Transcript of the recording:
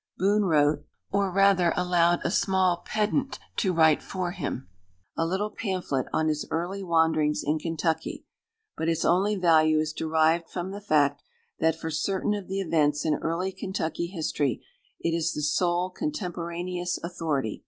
Boone wrote, or rather allowed a small pedant to write for him, a little pamphlet on his early wanderings in Kentucky; but its only value is derived from the fact that for certain of the events in early Kentucky history it is the sole contemporaneous authority.